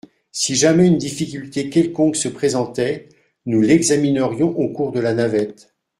Si jamais une difficulté quelconque se présentait, nous l’examinerions au cours de la navette.